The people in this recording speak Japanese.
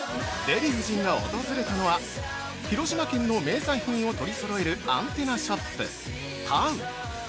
◆デヴィ夫人が訪れたのは広島県の名産品を取り揃えるアンテナショップＴＡＵ。